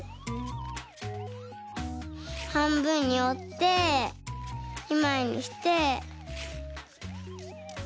はんぶんにおって２まいにして。